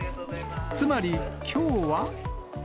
つまり、きょうは。